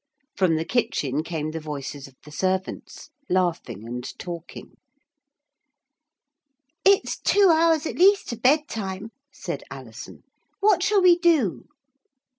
From the kitchen came the voices of the servants, laughing and talking. 'It's two hours at least to bedtime,' said Alison. 'What shall we do?'